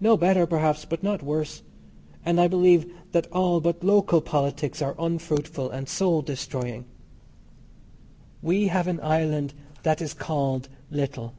No better, perhaps, but not worse. And I believe that all but local politics are unfruitful and soul destroying. We have an island that is called little.